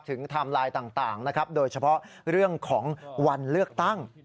ไทม์ไลน์ต่างนะครับโดยเฉพาะเรื่องของวันเลือกตั้ง